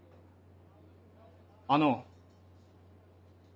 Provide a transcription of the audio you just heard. あの。